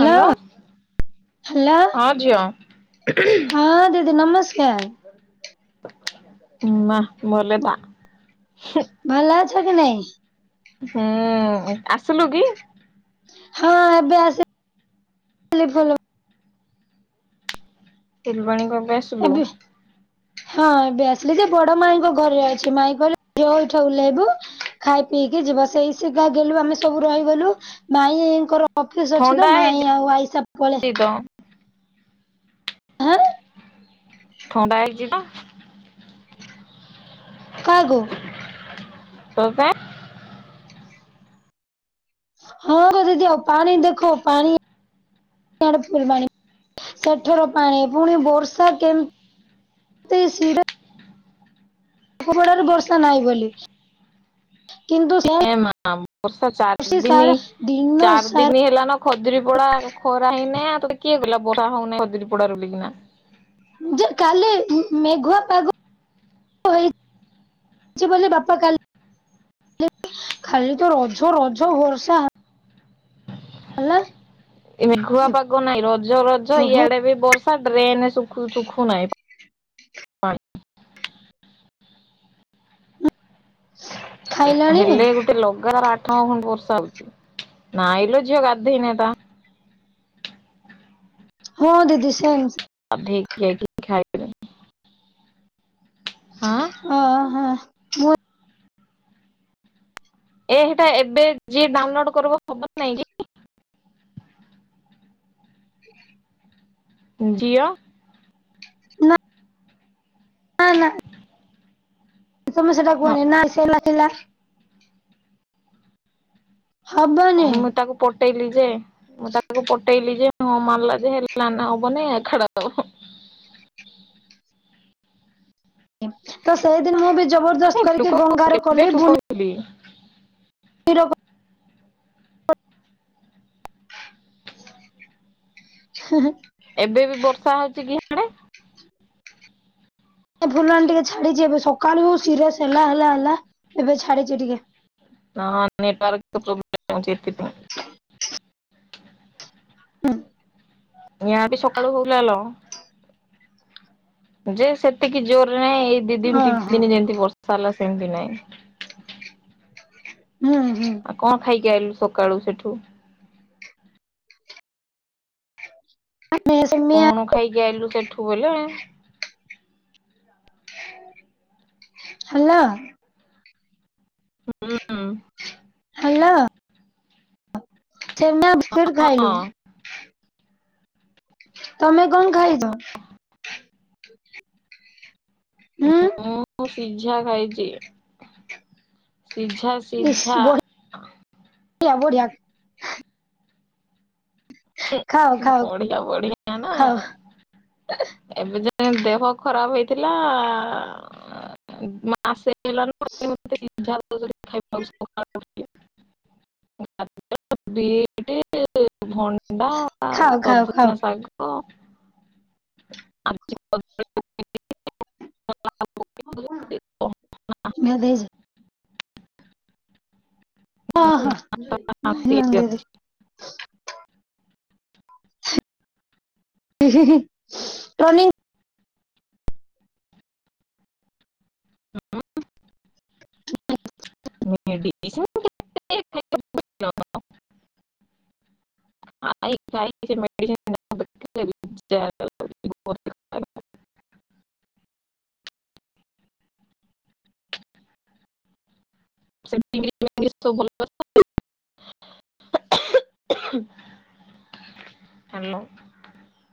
Hello. Hello ହଁ ଦିଦି ନମସ୍କାର। ମା ଭଲରେ ଥା। ଭଲ ଅଛ କି ନାଇଁ? ହୁଁ ଆସିଲୁ କି? ହଁ ଏବେ ଆସି ଥିଲି ଫୁଲୁ ଫୁଲବାଣୀ କେବେ ଆସିଲୁ? ଏବେ ହଁ ଏବେ ଆସିଲି ଯେ ବଡ ମାଇଁଙ୍କ ଘରେ ଅଛି, ମାଇଁ କହିଲେ ଝିଅ ଏଇଠି ଓହ୍ଲାଇବୁ ଖାଇ ପିଇକି ଯିବୁ। ତ ସେଇ ସୁଗା ଗେଲୁ ଆମେ ସବୁ ରହିଗଲୁ ମାଇଁଙ୍କର ଅଫିସ ଅଛି ତ ଥଣ୍ଡା ମାଇଁ ହେଇଛି ଆଉ ଆଈ ସବୁ ପଳେ ତ ଆଁ। ଥଣ୍ଡା ହେଇଛି ତ କାହାକୁ? [unintelligible] ବେ। ହଁ ବା ଦିଦି ଅ ପାଣି ଦେଖ ପାଣି ଆଡେ ଫୁଲବାଣୀ ସେଠାର ପାଣି ପୁଣି ବର୍ଷା କେମ ତ ସିଡା। [unintelligible] ବର୍ଷା ନାହିଁ ବୋଲି। କିନ୍ତୁ ସେ ଏ ମା ବର୍ଷା ଚାର ବର୍ଷେ ଦିନି ସାରା ଦିନ ସାରା ଚାରଦିନି ହେଲା ନା ଖଜୁରୀ ପୋଡା ଖରା ହେଇନେ ଏପଟେ କିଏ ବିଲ ବର୍ଷା ହଉନେଇ ଖଜୁରୀ ପଡା ରୁଲିକିନା। ମେ କାଲି ମେ-ମେଘୁଆ ପାଗ ହେଇ ସିଏ କହିଲେ ବାପା କାଲ ଖାଲି ତ ରଝ ରଝ ବର୍ଷା। ହେଲା। ଏ ମେଘୁଆ ହେ ପାଗ ନାଇଁ ରଜ ରଜ ପ୍ରଭୁ ଇଆଡେ ବି ବର୍ ଡ୍ରେନେ ସୁଖୁ ସୁଖୁ ନାଇଁ ପାଣି। ଖାଇଲାଣି ହେଲେ ଗୋଟେ ଲଗାତର ଆଠ [unintelligible] ବର୍ଷା ହଉଚି, ନାଇଁ ଲୋ ଝିଅ ଗାଧେଇନି ତା। ହଁ ଦିଦି ସେମ୍ ସେ ଗାଧେଇକି [unintelligible] ଖାଇଲୁଣି। ଓହୋ ମୁଁ ଏହିଟା ଏବେ ଯିଏ ଡାଉନଲୋଡ କରିବ ହବ ନାଇଁ କି? [inaudible] ଜିଅ। ନା। ହଁ ନା। ସମସ୍ୟା ଟା ହଁ କୁହନି ନା ନଥିଲା। ମୁଁ ତାକୁ ପଟେଇଲି ଯେ ମୁଁ ତାକୁ ପଟେଇଲି ଯେ ହଁ ମାରିଲା ଯେ ହେଲେ ନାନା ହବନି ଖାଡାହବ ହଁ। ତ ସେଇଦିନୁ ମୁଁ ବି ଜବରଦସ୍ତ ଲୋକ କରିକି ଗଙ୍ଗାରୁ କଲି କେବେଠୁ ବୁନ କହିଲି ସେ ର [unintelligible] [inaudible] ହ [inaudible] ସେ [inaudible] ଏ ଫୁଲଣୀ ଟିକେ ଛାଡିଛି ଏବେ ସକାଳୁ ସିରିଅସ ହେଲା ହେଲା ହେଲା ଏବେ ଛାଡିଛି ଟିକେ। ନାଁ ନେଟୱର୍କ ପ୍ରୋବ୍ଲେମ ହଉଚି ଏତିପାଇଁ। ହୁଁ ନିହାତି ସକାଳୁ ହୁଲେଲ। ଯେ ସେତିକି ଜୋରରେ ନାହିଁ ଏଇ ଦି ଦିନ ହଁ ତିନି ହଁ ଦିନ ଯେମିତି ବର ଚାଲ ସେମତି ନାଇଁ। ନାଁହିଁ। ଆଉ କଣ ଖାଇକି ଆଇଲୁ ସକାଳୁ ସେଠୁ। ଆମେ ସେମିଆ କଣ ଖାଇକି ଆଇଲୁ ସେଠୁ ବଲେ। ହାଲ ଅ ହୁଁ ଉଁ। ଛେନା ବିସ୍କୁଟ ଖାଇଲୁ। ହଁ ତମେ କଣ ଖାଇଚ? ଉଁ। ମୁଁ ସିଝା ଖାଇଛି ସିଝା ଇସ୍ ସିଝା। ବଢିଆ ବଢିଆ। ହୁଁ ଖାଅ ଖାଅ ବଢିଆ ବଢିଆ ନା ଖାଅ ଏବେ ଯ ଦେହ ଖରାପ ହେଇଥିଲା ଆ ଆ ମାସେ। ାଇବା [inaudible] [unintelligible] ବଟି ଭଣ୍ଡ [inaudible] ବା ଖାଅ ଖାଅ ଖାଅ। ସଜନା ଶାଗ। ଆ [inaudible] ହଁ ହଁ ଭଜ [inaudible] ହଁ ହଁ ଲାଲ ଦେବି। ହୁଁ ହୁଁ ହୁଁ ଟ୍ରନିଂ। ହ [inaudible] ହ [inaudible] ହ [inaudible] [unintelligible] ଆ [inaudible] ଆ [inaudible] ସେ ତଛ [inaudible] [inaudible] ହାଲୋ।